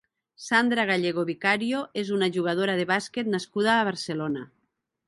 Sandra Gallego Vicario és una jugadora de bàsquet nascuda a Barcelona.